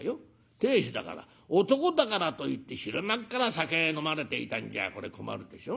亭主だから男だからといって昼間っから酒飲まれていたんじゃこれ困るでしょ。